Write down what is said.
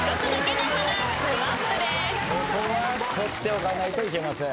ここは取っておかないといけません。